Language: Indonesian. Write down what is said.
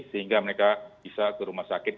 sehingga mereka bisa ke rumah sakit